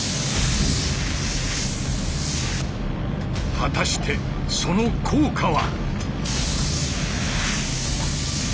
果たしてその効果は。